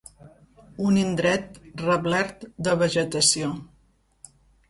Un indret reblert de vegetació.